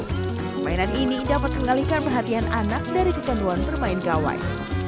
permainan ini dapat mengalihkan perhatian anak dari kecanduan bermain gawai